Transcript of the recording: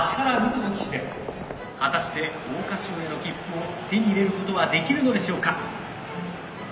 果たして桜花賞への切符を手に入れることはできるのでしょうか。